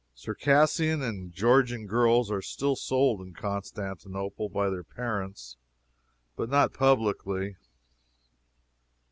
Circassian and Georgian girls are still sold in Constantinople by their parents, but not publicly.